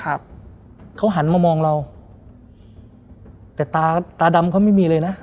ครับเขาหันมามองเราแต่ตาตาดำเขาไม่มีเลยนะ